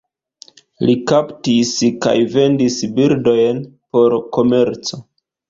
Li kaptis kaj vendis birdojn por komerco.